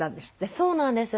そうなんです。